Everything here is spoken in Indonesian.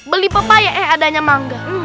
beli pepaya eh adanya mangga